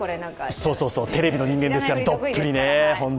そうそう、テレビの人間ですからどっぷりね。